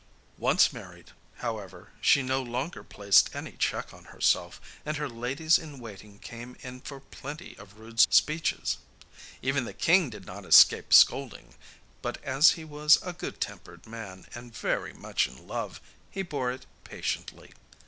Once married, however, she no longer placed any check on herself, and her ladies in waiting came in for plenty of rude speeches even the king did not escape scolding; but as he was a good tempered man, and very much in love, he bore it patiently.